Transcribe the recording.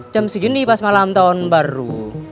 jam segini pas malam tahun baru